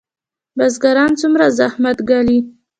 بزګران څومره زحمت ګالي؟